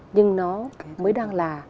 nhưng nó mới đang là